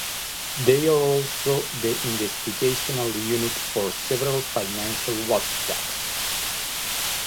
They are also the investigational unit for several financial watchdogs.